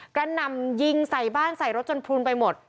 หนำยิงใส่บ้านใส่รถจนพลุนไปหมด